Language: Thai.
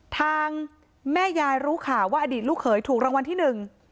ทางแม่ยายรู้ข่าวว่าอดีตลูกเขยถูกรางวัลที่หนึ่ง